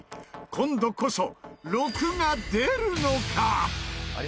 今度こそ６が出るのか？